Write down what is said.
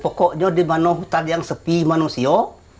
pokoknya di mana hutan yang sepi manusia